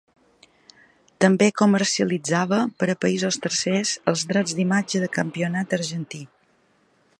També comercialitzava, per a països tercers, els drets d'imatge del campionat argentí.